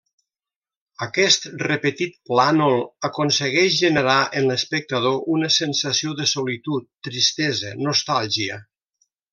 Aquest repetit plànol aconsegueix generar en l'espectador una sensació de solitud, tristesa, nostàlgia.